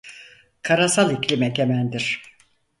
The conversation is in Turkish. Karasal iklim egemendir.